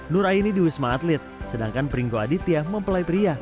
nur aini di wisma atlet sedangkan pringgo aditya mempelai pria